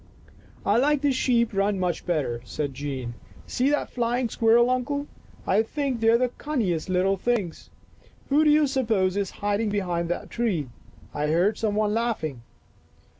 " I like the sheep run much better," said Jean. " See that flying squirrel, Uncle ! I think they are the cunningest little things. Who do you suppose is hiding behind that tree? I heard some one laughing."